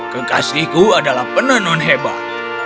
kekasihku adalah penenun hebat